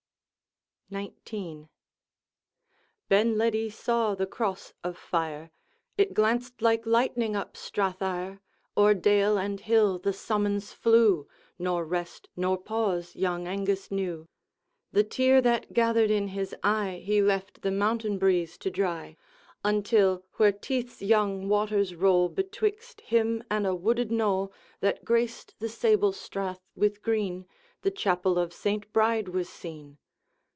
XIX. Benledi saw the Cross of Fire, It glanced like lightning up Strath Ire. O'er dale and hill the summons flew, Nor rest nor pause young Angus knew; The tear that gathered in his eye He deft the mountain breeze to dry; Until, where Teith's young waters roll Betwixt him and a wooded knoll That graced the sable strath with green, The chapel of Saint Bride was seen.